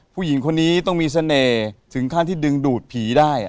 ผู้หญิงคนนี้ต้องมีเสน่ห์ถึงขั้นที่ดึงดูดผีได้